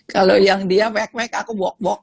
kalau yang dia mek mek aku bok bok